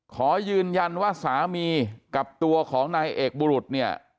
ขอยืนยันว่าสามีกับตัวของนายเอกบุรุษเนี่ย